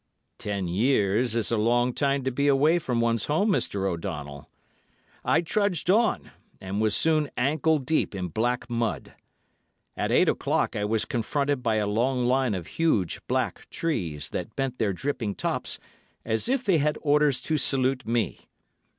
Ten years is a long time to be away from one's home, Mr. O'Donnell. I trudged on, and was soon ankle deep in black mud. At eight o'clock I was confronted by a long line of huge, black trees, that bent their dripping tops as if they had orders to salute me.